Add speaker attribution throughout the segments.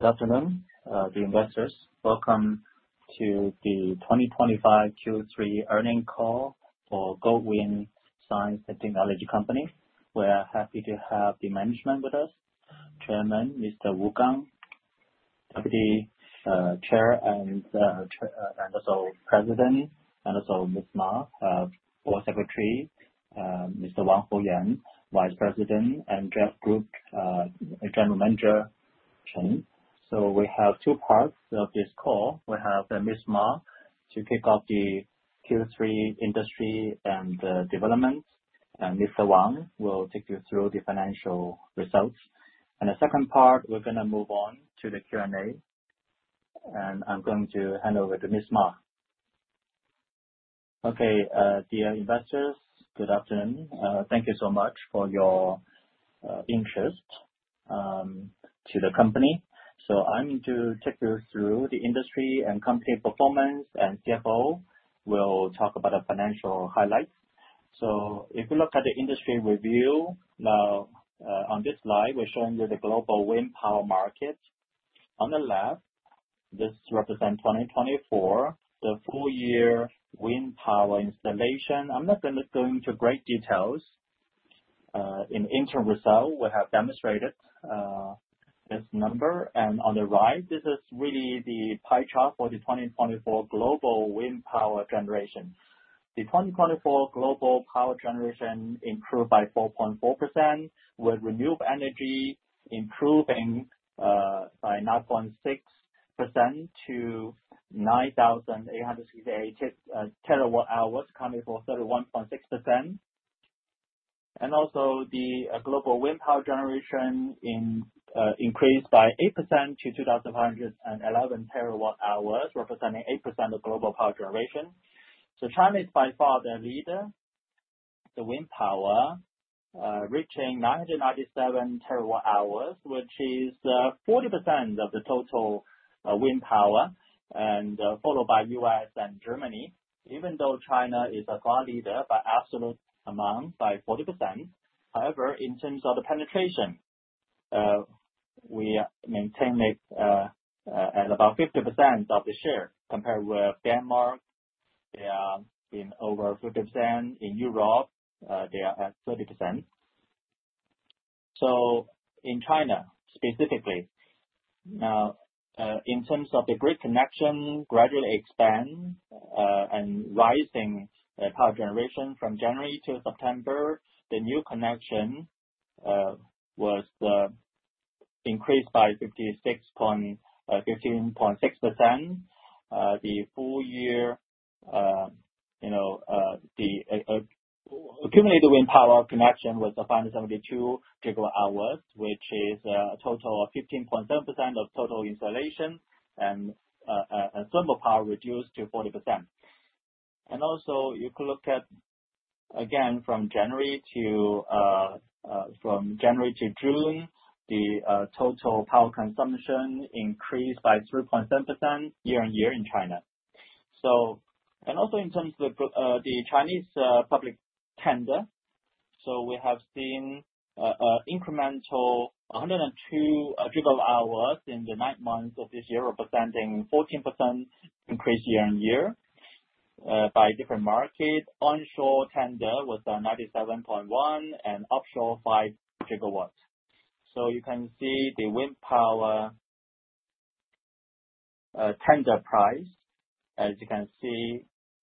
Speaker 1: Good afternoon, investors. Welcome to the 2025 Q3 earnings call for Goldwind Science & Technology Co., where I'm happy to have the management with us: Chairman Mr. Wu Gang, Deputy Chair and also President, and also Ms. Ma, Board Secretary, Mr. Wang Hongyan, Vice President, and Group General Manager Chen. So we have two parts of this call. We have Ms. Ma to kick off the Q3 industry and development, and Mr. Wang will take you through the financial results. And the second part, we're going to move on to the Q&A, and I'm going to hand over to Ms. Ma.
Speaker 2: Okay, dear investors, good afternoon. Thank you so much for your interest to the company. So I'm to take you through the industry and company performance, and CFO will talk about the financial highlights. So if you look at the industry review, now on this slide, we're showing you the global wind power market. On the left, this represents 2024, the full-year wind power installation. I'm not going to go into great details. In the interim result, we have demonstrated this number, and on the right, this is really the pie chart for the 2024 global wind power generation. The 2024 global power generation improved by 4.4% with renewable energy improving by 9.6% to 9,868 TWh, coming for 31.6%, and also, the global wind power generation increased by 8% to 2,511 TWh, representing 8% of global power generation, so China is by far the leader in wind power, reaching 997 TWh, which is 40% of the total wind power, followed by the U.S. and Germany. Even though China is a core leader by absolute amount by 40%. However, in terms of the penetration, we maintain it at about 50% of the share compared with Denmark. They are in over 50%. In Europe, they are at 30%. So in China specifically, now in terms of the grid connection, gradually expand and rising power generation from January to September, the new connection was increased by 15.6%. The full-year accumulated wind power connection was 572 GWh, which is a total of 15.7% of total installation, and thermal power reduced to 40%. And also, you could look at, again, from January to June, the total power consumption increased by 3.7% year-on-year in China. And also, in terms of the Chinese public tender, so we have seen an incremental 102 GWh in the nine months of this year, representing a 14% increase year-on-year by different markets. Onshore tender was 97.1 and offshore 5 GW, so you can see the wind power tender price, as you can see,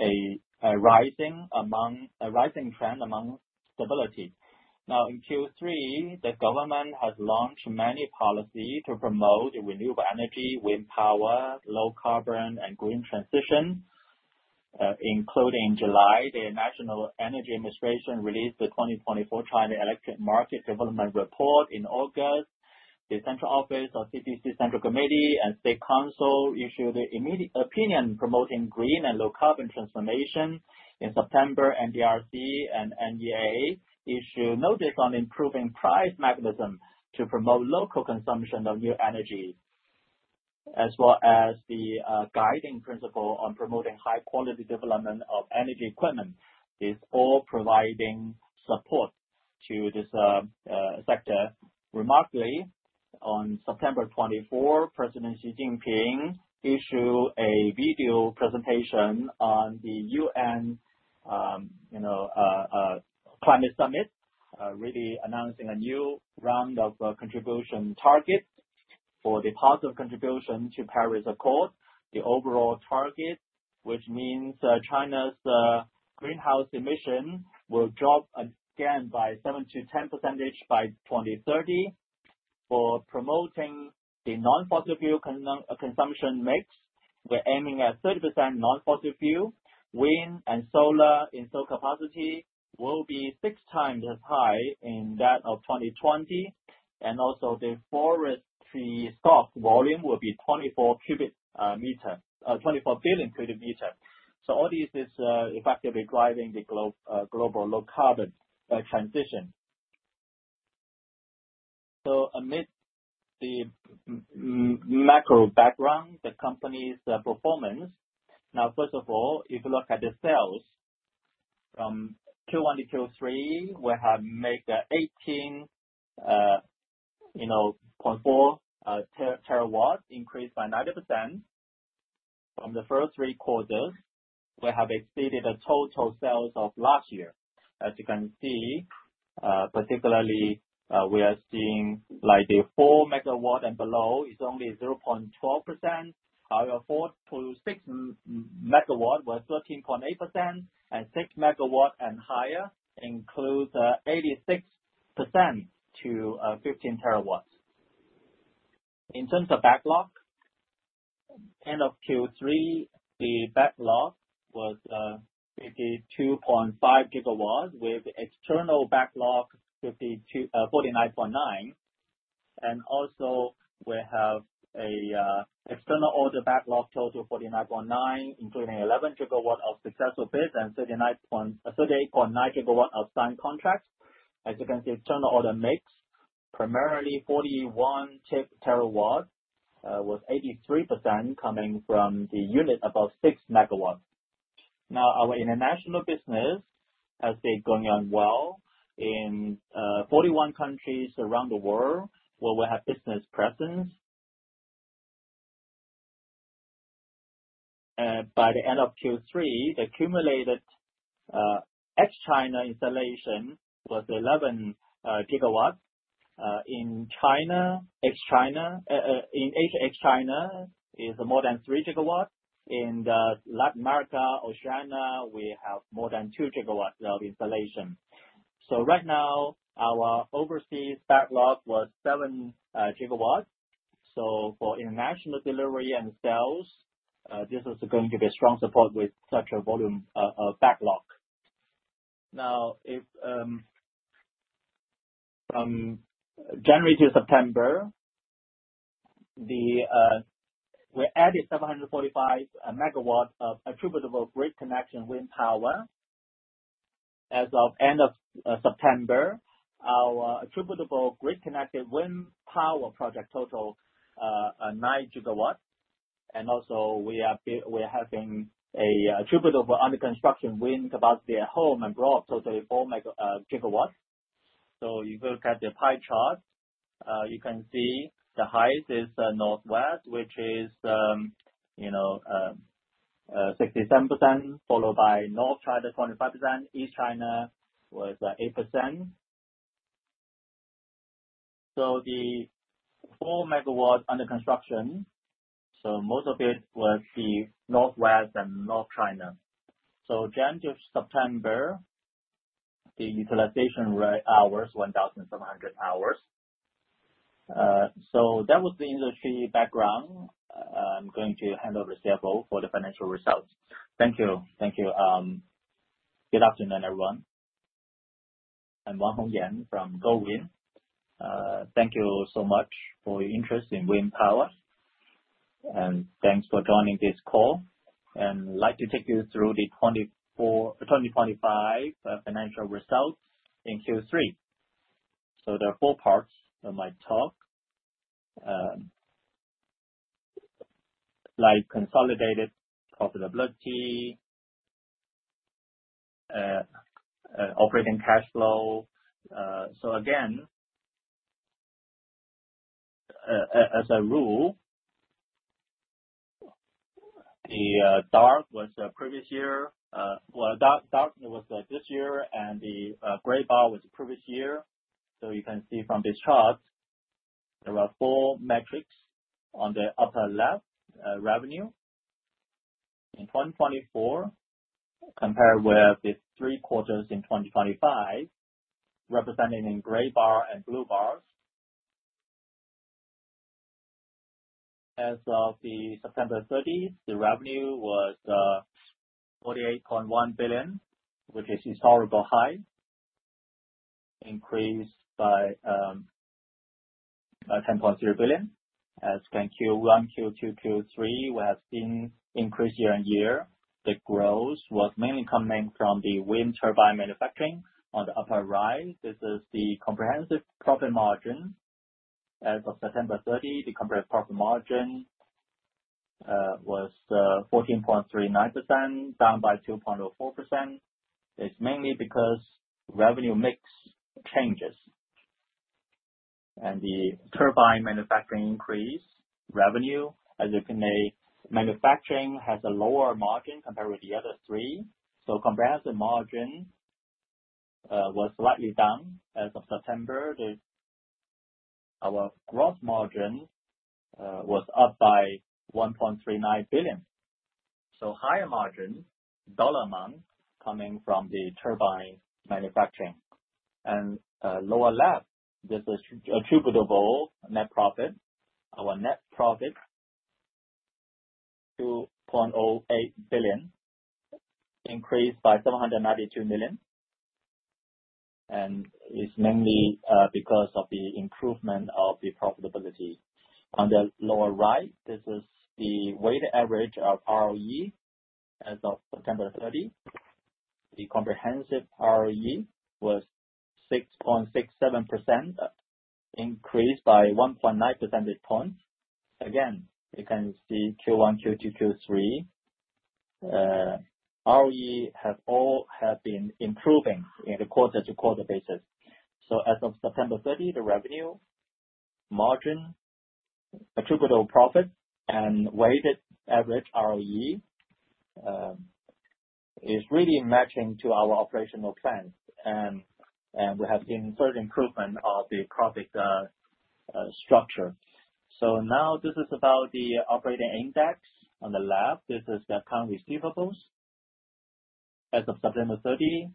Speaker 2: a rising trend among stability. Now, in Q3, the government has launched many policies to promote renewable energy, wind power, low carbon, and green transition, including in July, the National Energy Administration released the 2024 China Electricity Market Development Report. In August, the Central Office of CPC Central Committee and State Council issued an immediate opinion promoting green and low carbon transformation. In September, NDRC and NEA issued notice on improving price mechanism to promote local consumption of new energy, as well as the guiding principle on promoting high-quality development of energy equipment. This all providing support to this sector. Remarkably, on September 24, President Xi Jinping issued a video presentation on the U.N. Climate Summit, really announcing a new round of contribution targets for the positive contribution to Paris Accord. The overall target, which means China's greenhouse emissions will drop again by 7%-10% by 2030. For promoting the non-fossil fuel consumption mix, we're aiming at 30% non-fossil fuel. Wind and solar installed capacity will be six times as high as that of 2020, and also, the forestry stock volume will be 24 billion cubic meters. So all this is effectively driving the global low carbon transition. So amid the macro background, the company's performance. Now, first of all, if you look at the sales, from Q1 to Q3, we have made 18.4 GW, increased by 90% from the first three quarters. We have exceeded the total sales of last year. As you can see, particularly, we are seeing like the 4 MW and below is only 0.12%. However, 4 MW-6 MW was 13.8%, and 6 MW and higher includes 86% to 15 TW. In terms of backlog, end of Q3, the backlog was 52.5 GW with external backlog 49.9 GW, and also we have an external order backlog total of 49.9 GW, including 11 GW of successful bids and 38.9 GW of signed contracts. As you can see, external order mix, primarily 41 TW, was 83% coming from the unit above 6 MW. Now, our international business has been going on well in 41 countries around the world where we have business presence. By the end of Q3, the accumulated ex-China installation was 11 GW. In Asia ex-China, it's more than 3 GW. In Latin America or China, we have more than 2 GW of installation. So right now, our overseas backlog was 7 GW. So for international delivery and sales, this is going to be a strong support with such a volume backlog. Now, from January to September, we added 745 MW of attributable grid connection wind power. As of end of September, our attributable grid connected wind power project total 9 GW. And also, we are having an attributable under construction wind capacity at home and abroad total of 4 GW. So if you look at the pie chart, you can see the highest is Northwest, which is 67%, followed by North China 25%, East China was 8%. So the 4 MW under construction, so most of it was the Northwest and North China. So January to September, the utilization hours were 1,700 hours. So that was the industry background. I'm going to hand over to CFO for the financial results. Thank you.
Speaker 3: Thank you. Good afternoon, everyone, and Wang Hongyan from Goldwind. Thank you so much for your interest in wind power, and thanks for joining this call, and I'd like to take you through the 2025 financial results in Q3, so there are four parts of my talk, like consolidated profitability, operating cash flow, so again, as a rule, the dark was previous year, well, dark was this year, and the gray bar was previous year, so you can see from this chart, there are four metrics on the upper left, revenue in 2024 compared with the three quarters in 2025, represented in gray bar and blue bars. As of September 30, the revenue was 48.1 billion, which is a historical high, increased by 10.0 billion. As you can see, Q1, Q2, Q3, we have seen increase year-on-year. The growth was mainly coming from the wind turbine manufacturing on the upper right. This is the comprehensive profit margin. As of September 30, the comprehensive profit margin was 14.39%, down by 2.04%. It's mainly because revenue mix changes. And the turbine manufacturing increased revenue. As you can see, manufacturing has a lower margin compared with the other three. So comprehensive margin was slightly down. As of September, our gross margin was up by 1.39 billion. So higher margin, dollar amount, coming from the turbine manufacturing. And lower left, this is attributable net profit. Our net profit, 2.08 billion, increased by 792 million. And it's mainly because of the improvement of the profitability. On the lower right, this is the weighted average of ROE as of September 30. The comprehensive ROE was 6.67%, increased by 1.9 percentage points. Again, you can see Q1, Q2, Q3, ROE has all been improving on a quarter-to-quarter basis, so as of September 30, the revenue, margin, attributable profit, and weighted average ROE is really matching to our operational plans, and we have seen further improvement of the profit structure, so now this is about the operating index on the left. This is the accounts receivable. As of September 30,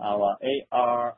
Speaker 3: our AR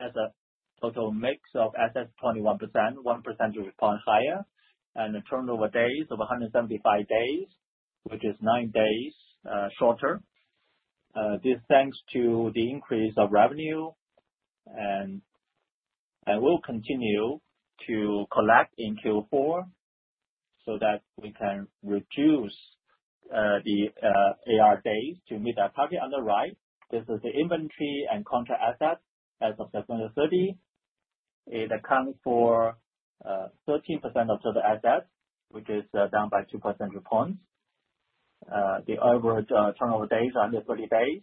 Speaker 3: has a total mix of assets 21%, one percentage point higher, and the turnover days of 175 days, which is nine days shorter. This is thanks to the increase of revenue, and we'll continue to collect in Q4 so that we can reduce the AR days to meet our target on the right. This is the inventory and contract assets. As of September 30, it accounts for 13% of total assets, which is down by two percentage points. The average turnover days are under 30 days,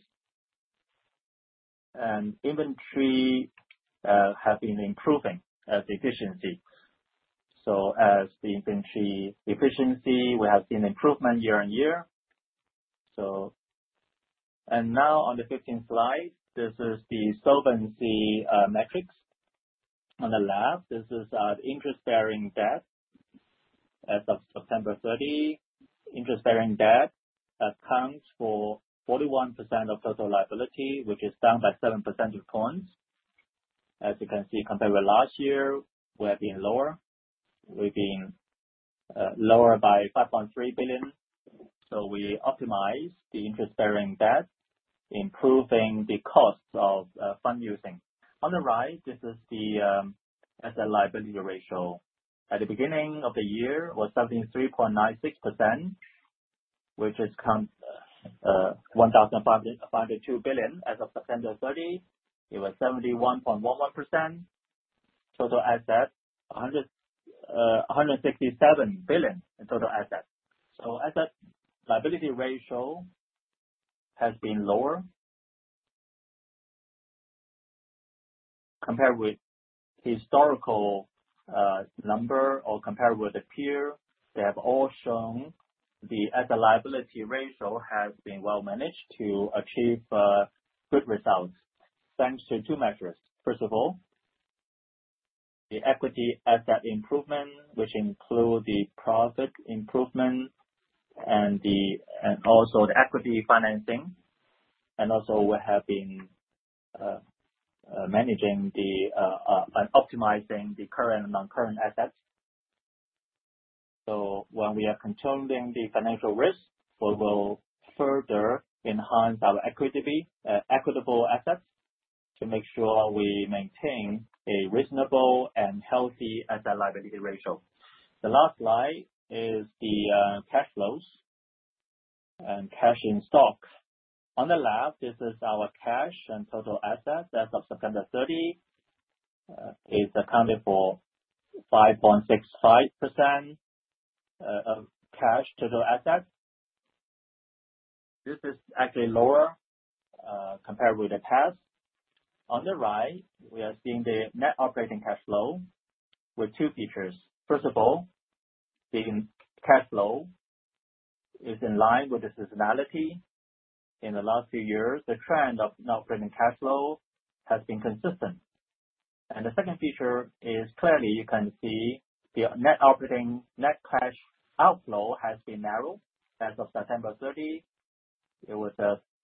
Speaker 3: and inventory has been improving as efficiency, so as the inventory efficiency, we have seen improvement year-on-year, and now on the 15th slide, this is the solvency metrics. On the left, this is the interest-bearing debt. As of September 30, interest-bearing debt accounts for 41% of total liability, which is down by 7 percentage points. As you can see, compared with last year, we have been lower. We've been lower by 5.3 billion, so we optimized the interest-bearing debt, improving the cost of fund using. On the right, this is the asset liability ratio. At the beginning of the year, it was something 3.96%, which is 1,502 billion. As of September 30, it was 71.11%. Total assets, 167 billion in total assets. Asset liability ratio has been lower compared with historical number or compared with the peer. They have all shown the asset liability ratio has been well-managed to achieve good results thanks to two measures. First of all, the equity asset improvement, which includes the profit improvement and also the equity financing, and also, we have been managing and optimizing the current and non-current assets, so when we are controlling the financial risk, we will further enhance our equitable assets to make sure we maintain a reasonable and healthy asset liability ratio. The last slide is the cash flows and cash in stock. On the left, this is our cash and total assets. As of September 30, it accounted for 5.65% of cash total assets. This is actually lower compared with the past. On the right, we are seeing the net operating cash flow with two features. First of all, the cash flow is in line with the seasonality. In the last few years, the trend of net operating cash flow has been consistent, and the second feature is clearly, you can see, the net operating net cash outflow has been narrowed. As of September 30, it was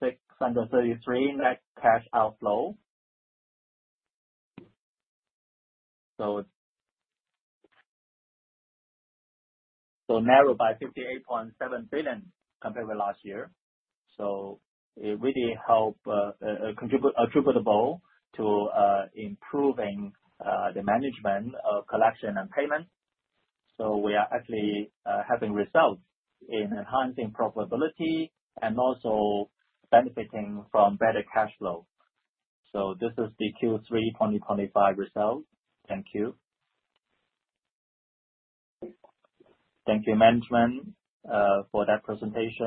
Speaker 3: 633 net cash outflow, so narrowed by 58.7 billion compared with last year, so it really helped attributable to improving the management of collection and payment, so we are actually having results in enhancing profitability and also benefiting from better cash flow, so this is the Q3 2025 result. Thank you.
Speaker 1: Thank you, management, for that presentation.